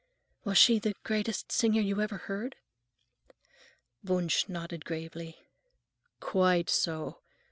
"Was she the greatest singer you ever heard?" Wunsch nodded gravely. "Quite so.